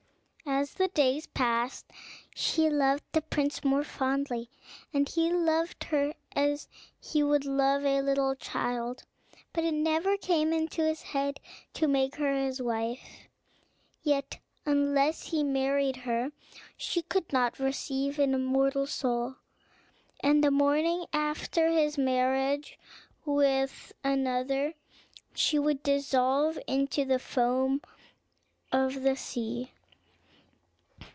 As the days passed, she loved the prince more fondly, and he loved her as he would love a little child, but it never came into his head to make her his wife; yet, unless he married her, she could not receive an immortal soul; and, on the morning after his marriage with another, she would dissolve into the foam of the sea.